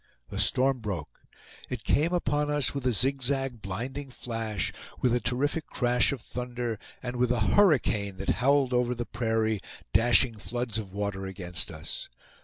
The storm broke. It came upon us with a zigzag blinding flash, with a terrific crash of thunder, and with a hurricane that howled over the prairie, dashing floods of water against us.